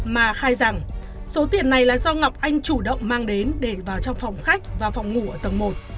mà khai rằng số tiền này là do ngọc anh chủ động mang đến để vào trong phòng khách và phòng ngủ ở tầng một